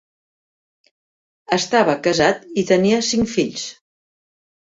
Estava casat i tenia cinc fills.